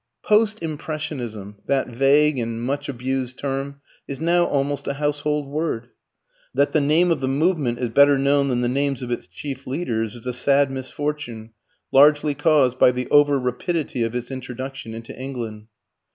Post Impressionism, that vague and much abused term, is now almost a household word. That the name of the movement is better known than the names of its chief leaders is a sad misfortune, largely caused by the over rapidity of its introduction into England.